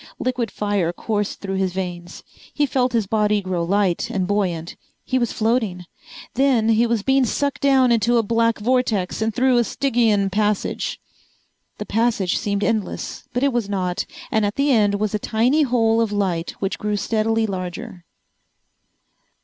Liquid fire coursed through his veins, he felt his body grow light and buoyant, he was floating. Then he was being sucked down into a black vortex and through a Stygian passage. The passage seemed endless but it was not, and at the end was a tiny hole of light which grew steadily larger.